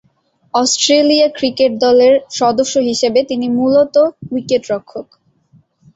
Australia cricket দলের সদস্য হিসেবে তিনি মূলতঃ উইকেট-রক্ষক।